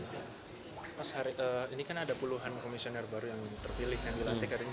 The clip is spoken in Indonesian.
mas ini kan ada puluhan komisioner baru yang terpilih yang dilatih